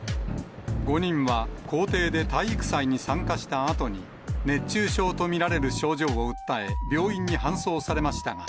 ５人は校庭で体育祭に参加したあとに、熱中症と見られる症状を訴え、病院に搬送されましたが、